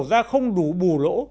nếu đầu ra không đủ bù lỗ